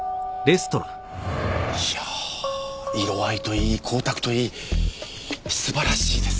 いや色合いといい光沢といい素晴らしいです！